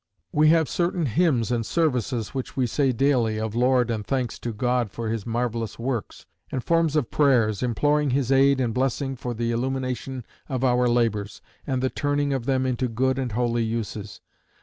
"We have certain hymns and services, which we say daily, of Lord and thanks to God for his marvellous works: and forms of prayers, imploring his aid and blessing for the illumination of our labours, and the turning of them into good and holy uses.